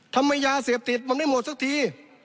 ทำไมยาเสพติดมันไม่หมดสักที